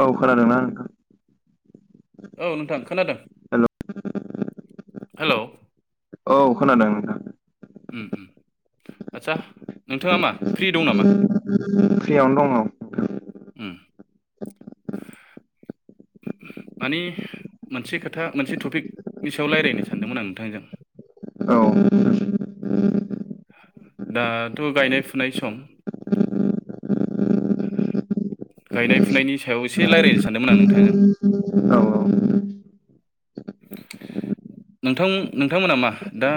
औ खोनादोंनां औ नोंथां खोनादों हेल' औ खोनादों आचसा नोंथाङा मा फ्रि दं नामा फ्रियावनो दङ उम [inaudible] मानि मोनसे खोथा मोनसे टपिकनि सायाव रायज्लायनो सानदोंमोन आं नोंथांजों औ दाथ' गायनाय फुनाय सम गायनाय फुनायनि सायाव एसे रायज्लायनो सानदोंमोन आं नोंथांजों औ औ नोंथां नोंथांमोना मा दा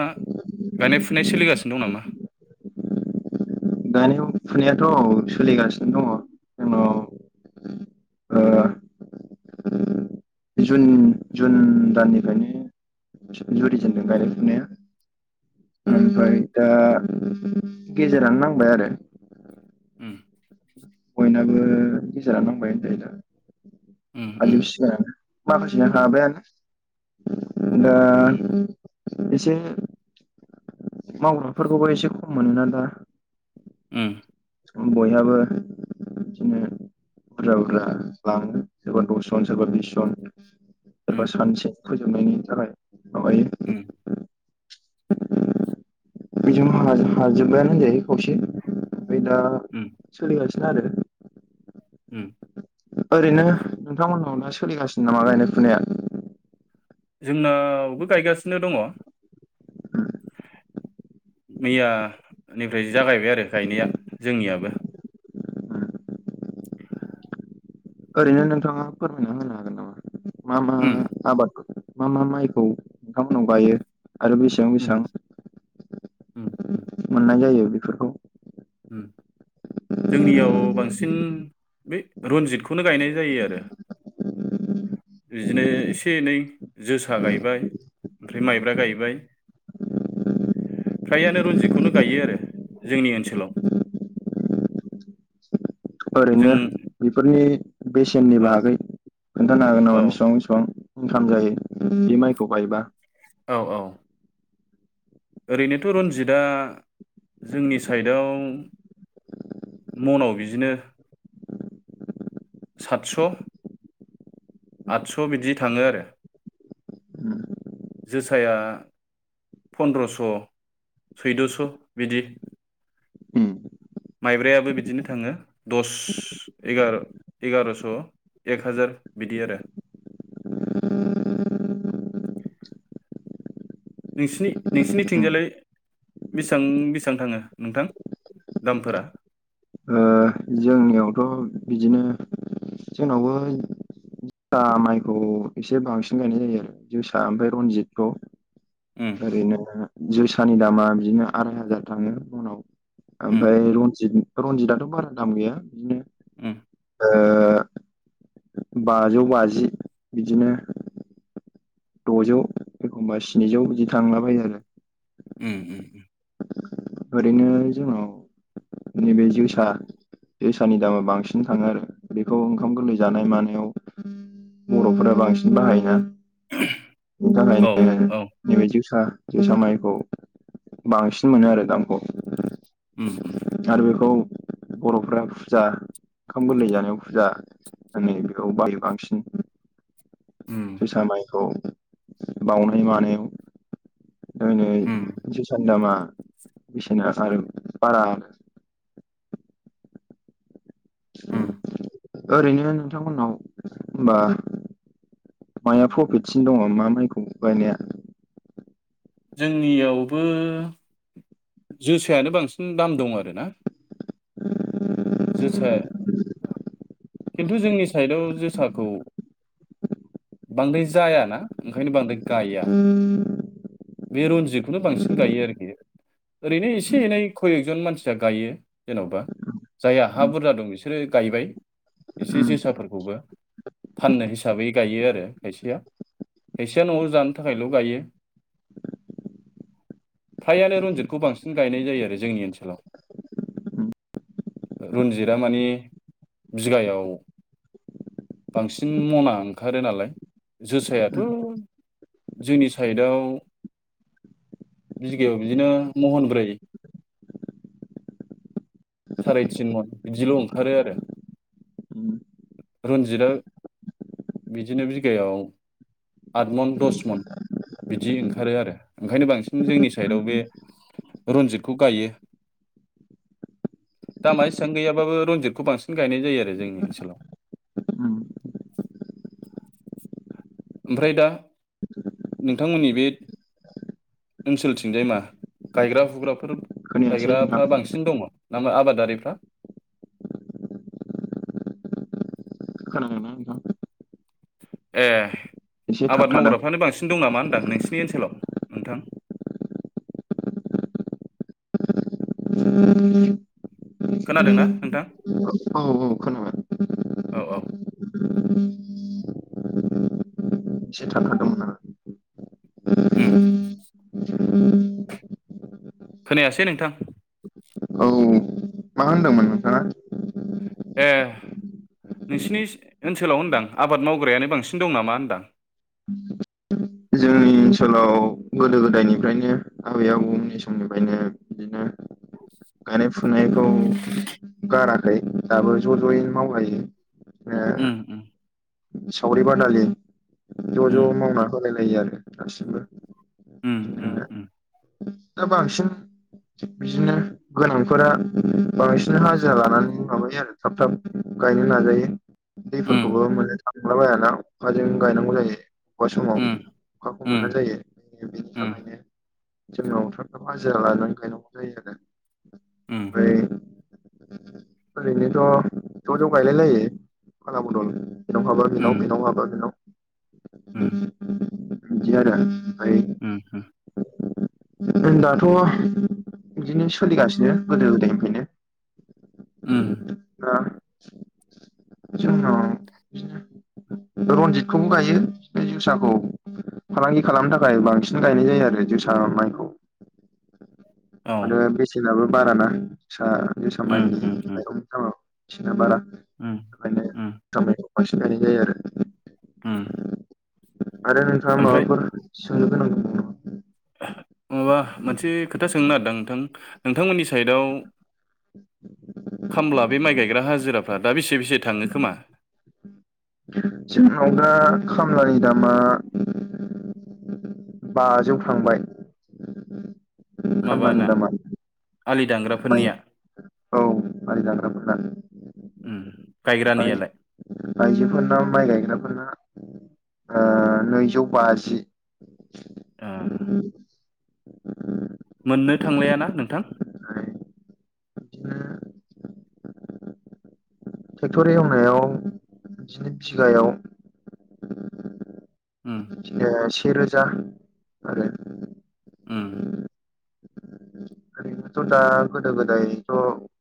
गायनाय फुनाय सोलिगासिनो दं नामा गायनाय फुनायाथ' औ सोलिगासिनो दङ जोंनाव ओ जुन जुन दाननिफ्रायनो जुरिजेनदों गायनाय फुनाया उम ओमफ्राय दा गेजेरानो नांबाय आरो उम बयनाबो गेजेरानो नांबाय होनजायो उम उम दा [unintelligible] माखासेना हाबायानो दा उम एसे मावग्राफोरखौबो एसे खम मोनोना दा उम उम बयहाबो बिदिनो बुरजा बुरजा लाङो सोरबा दस जन सोरबा बिस जन उम सोरबा सानसे फोजोबनायनि थाखाय उम माबायो बेजों हाजोबायानो होनजायो खौसे ओमफ्राय दा उम सोलिगासिनो आरो उम ओरैनो नोंथांमोननाव दा सोलिगासिनो नामा गायनाय फुनाया जोंनावबो गायगासिनो दङ मैयानिफ्राय जागायबाय आरो गायनाया जोंनियाबो [inaudible] ओरैनो नोंथाङा फोरमायना होनो हागोन नामा मा मा उम आबादखौ मा मा माइखौ नोंथांमोननाव गायो आरो बेसेबां उम उम उम बेसेबां मोननाय जायो बेफोरखौ जोंनियाव बांसिन बे रनजितखौनो गायनाय जायो आरो [inaudible] बिदिनो एसे एनै जोसा गायबाय ओमफ्राय माइब्रा गायबाय फ्रायानो रनजितखौनो गायो आरो जोंनि ओनसोलाव जों ओरैनो बेफोरनि बेसेननि औ बाहागै खोन्थानो हागोन औ नामा बेसेबां बेसेबां इनकाम जायो बे माइखौ बायबा औ औ ओरैनोथ' रनजितआ जोंनि साइडआव मनाव बिदिनो सातस' आठस' बिदि थाङो आरो जोसाया फनद्रस' सैद'स' बिदि उम माइब्रायाबो बिदिनो थाङो दस एगार' एगार'स' एक हाजार बिदि आरो [inaudible] नोंसिनि नोंसिनि ओ थिंजालाय बेसेबां बेसेबां थाङो नोंथां दामफोरा जोंनियावथ' बिदिनो जोंनावबो जोसा माइखौ एसे बांसिन गायनाय जायो आरो जोसा ओमफ्राय रनजितखौ उम ओरैनो जोसानि दामा बिदिनो आराय हाजार थाङो उनाव उम ओमफ्राय रनजित रनजितआथ' बारा दाम गैया बिदिनो उम ओ बाजौ बाजि बिदिनो द'जौ एखमबा स्निजौ बिदि थांलाबाय आरो उम उम ओरैनो जोंनाव नैबे जिउसा दैसानि दामा बांसिन थाङो आरो बेखौ ओंखाम गोरलै जानाय मानायाव बर'फोरा बांसिन बाहायोना बेनि औ थाखायनो औ नैबे जोसा जोसा माइखौ बांसिन मोनो आरो दामखौ उम उम आरो बेखौ बर'फोरा फुजा ओंखाम गोरलै जानायाव फुजा होनायफोराव [inaudible] उम जोसा माइखौ बावनाय मानायाव ओरैनो उम जोसानि दामा बेसेना बारा उम ओरैनो नोंथांमोननाव होनबा माइआ प्रफिटसिन दङ मा माइखौ बायनाया जोंनियावबो जोसायानो बांसिन दाम दं आरोना जोसा खिन्थु जोंनि साइदाव जोसाखौ बांद्राय जाया ना ओंखायनो बांद्राय गाया बे रन्जितखौनो बांसिन गायो आरोखि ओरैनो एसे एनै खय एकजन मानसिया गायो जेन'बा जायहा हा बुरजा दं बिसोर बिसोरो गायबाय एसे जोसाफोरखौबो फाननो हिसाबै गायो आरो खायसेया खायसेया न'आव जानो थाखायल' गायो फ्राइआनो रन्जित बेखौ बांसिन गायनाय जायो आरो जोंनि ओनसोलाव रन्जिदा माने बिगायाव बांसिन मना ओंखारो नालाय जोसायाथ' जोंनि साइडआव बिगायाव बिदिनो महन ब्रै सारे तिन मन बिदिल' ओंखारो आरो रन्जिदआ बिदिनो बिगायाव आद मन दस मन बिदि ओंखारो आरो ओंखायनो बांसिन जोंनि साइडआव बे रन्जितखौ गायो दामा एसेबां गैयाबाबो रनजितखौ बांसिन गायनाय जायो आरो जोंनि ओनसोलाव उम ओमफ्राय दा नोंथांमोननि बे ओनसोलथिंजाय मा गायग्रा फुग्राफोर खोनायासै नोंथां गायग्राफ्रा बांसिन दङ नामा आबादारिफ्रा खोनादोंना नोंथां ए एसे आबाद थाबथादों मावग्राफ्रानो बांसिन दं नामा दां नोंसिनि ओनसोलाव नोंथां उम खोनादोंना नोंथां औ औ खोनाबाय औ औ एसे थानो हादोंमोन आरो उम खोनायासै नोंथां औ मा होनदोंमोन नोंथाङा ए। नोंसिनि ओनसोलाव होनदां आबाद मावग्रायानो बांसिन दं नामा होनदां? [inaudible] जोंनि ओनसोलाव गोदो गोदायनिफ्रायनो आबै आबौनि समनिफ्रायनो बिदिनो। गायनाय फुनायखौ गाराखै दाबो ज' ज'यैनो मावलायो उम उम सावरि बादालि ज' ज' उम मावना होलायलायो आरो गासिबो। उम दा बांसिन बिदिनो गोनांफोरा बांसिन हाजिरा लानानै माबायो आरो थाब थाब गायनो नाजायो उम दैफोरखौबो मोन थांला बायाना अखाजों गायनांगौ जायो। अबेबा समाव उम अखाखौ मोना उम जायो बेनि उम थाखायनो जोंनाव [inaudible] हाजा लानानै गायनांगौ जायो आरो उम ओमफ्राय ओरैनोथ' ज' ज' गायलाय लायो फाला बदल। बेनाव हाबा बेनाव उम बेनाव हाबा बेनाव उम बिदि आरो उम अम। दाथ' बिदिनो सोलिगासिनो गोदो उम गोदायनिफ्रायनो [inaudible] रनजितखौबो गायो बे जोसाखौ फालांगि खालामनो थाखाय बांसिन गायनाय जायो आरो जोसा माइ औ माथ उम बेसेनाबो बारा ना सा सामबबायनि उम उम बिना बारा उम बेनो उम खामानिायसिन गायनाय जायो आरो उम आरो नोंथाङा ओमफ्राय माबाफोर सोंनो गोनां नङाबा मोनसे खोथा सोंनो नागिरदां नोंथां नोंथांमोननि साइदआव खामला बे माइ गायग्रा हाजिरा दा बेसे बेसे थाङो खोमा? जोंनाव दा खामलानि दामा बाजौ थांबाय खामानि माबाना दामानि। आलि दांग्राफोरनिया माइ जाग्राफोरना। उम गायग्रानियालाय आइजोफोरनााव माइ गायग्राफोरना ओ नैजौ बाजि ए मोननो थांलायााना नोंथां ओमफ्राय बिदिनो ट्रेक्टरि एवनायाव बिदिनो बिगायाव उम एसे रोजा आरो उम बेनोथ' दा गोदो गोदायथ'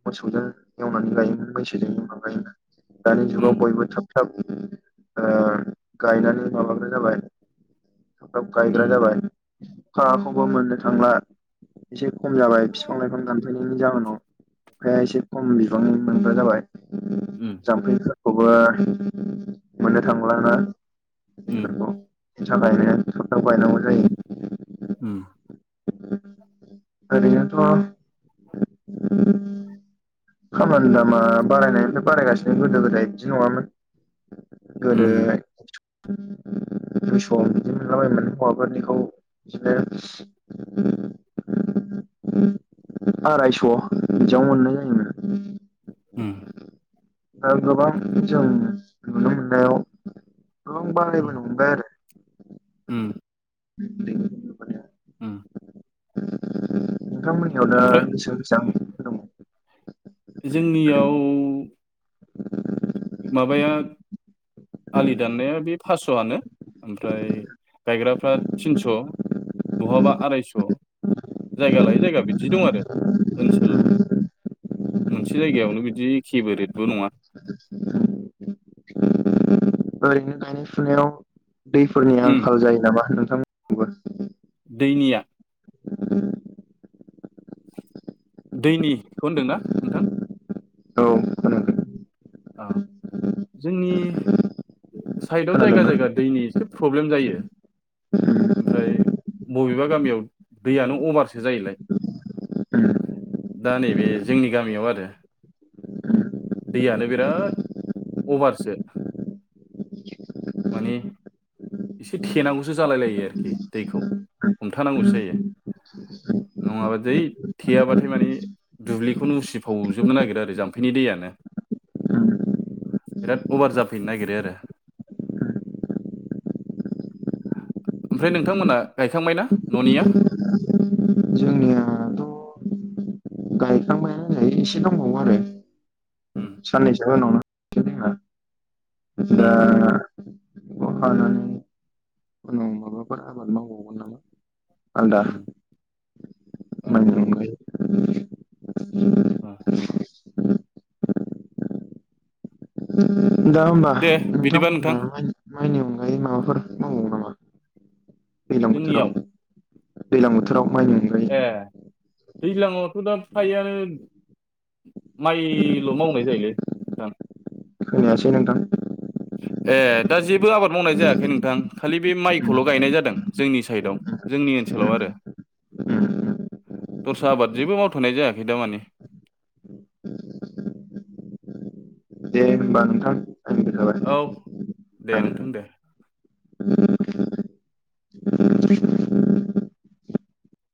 मोसौजों एवनानै लायोमोन मैसोजों एवनानै लायोमोन दानि उम जुगाव बयबो थाब थाब ओ गायनानै माबानो जाबाय थाब गायग्रा उम जाबाय हाखौबो मोननो थांला एसे खम जाबाय बिफां लाइफां दानफायनायनि जाहोनाव ओमफाय एसे खम बिबां मोनग्रा जाबाय उम जाम्फैफोरखौबो मोननो थांलाना उम बेनि थाखायनो थाब थाब गायनांगौ जायो। उम ओरैनोथ' खामानि दामा बारायनायनिफ्राय बारायगासिनो गोदो गोदाय बिदि नङामोन गोदो उम दुइस' बिदि मोनलाबाय हौआफोरनिखौ बिदिनो आरायस' बेयाव मोननाय जायोमोन उम गोबां जों नुनो मोननायाव गोबां बारायबोनो हमबाय आरो उम उम नोंथांमोनयाव दा ओमफ्राय बेसेबां बेसेबां दं? जोंनियाव माबाया आलि दाननाया बे फास्स'आनो ओमफ्राय गायग्राफ्रा थिनस' बहाबा आरायस' जायगा लायै जायगा बिदि दं आरो ओनसोल मोनसे जायगायावनो बिदि खेबो रेटबो नङा ओरैनो गायनाय फुनायाव दैफोरनि उम आंखाल जायो नामा नोंथांमोनिखैबो दैनिया दैनिखौ होनदोंना नोंथां? औ अ जोंनि साइदआव खोनादों जायगा खोनादोंना? जायगा दैनि एसे प्रब्लेम जायो ओमफ्राय बबेबा गामियाव दैयानो अभारसो जायोलाय। दा नैबे जोंनि गामियाव आरो दैयानो बिराद अभारसो माने एसे थेनांगौसो जालाय लायो आरोखि दैखौ हमथानांगौसो जायो [inaudible] नङाबा दै थेयाबाथाय माने दुब्लिखौनो उसिफावजोबनो नागिरो आरो जाम्फैनि दैयानो [inaudible] बिराद अभार जाफैनो नागिरो आरो ओमफ्राय नोंथांमोना गायखांबाय ना न'निया? जोंनियाथ' गायखांबायानो एसे दंबावो आरो उम साननैसो उम [unintelligible] उनाव माबाफोर आबाद मावबावगोन नामा आलदा उम ओ [unintelligible] अ दा होमबा दे बिदिबा नोंथांमोननो नोंथां माइनि अनगायै माबा मावबावो नामा दैलां बोथोराव जोंनियाव दैलां बोथोराव माइनि अनगायै दैज्लांआवथ' दा फायोआानो [inaudible] माइल' मावनाय जायोलै नोंथां खोनायासै नोंथां ए दा जेबो आबाद मावनाय जायाखै नोंथां खालि बे माइखौल' गायनाय जादों जोंनि साइडआव जोंनि ओनसोलाव नोंथां आरो [inaudible] दस्रा आबाद जेबो मावथ'नाय जायाखै दामानि। [inaudible] दे होनबा नोंथां। टाइमबो जाबाय औ दे ओं नोंथां दे।